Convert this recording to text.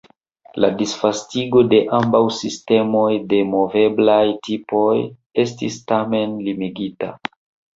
La disvastigo de ambaŭ sistemoj de moveblaj tipoj estis, tamen, limigita.